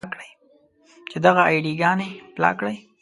چې دغه اې ډي ګانې بلاک کړئ.